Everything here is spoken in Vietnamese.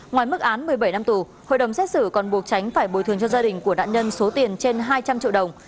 ngoài mức án một mươi bảy năm tù hội đồng xét xử còn buộc tránh phải bồi thường cho gia đình của nạn nhân số tiền trên hai trăm linh triệu đồng